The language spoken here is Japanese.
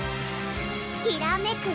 きらめく